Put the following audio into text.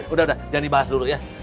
udah udah jangan dibahas dulu ya